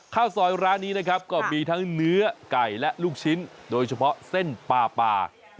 ข้าวซอยร้านนี้นะครับก็มีทั้งเนื้อไก่และลูกชิ้นโดยเฉพาะเส้นปลาปลา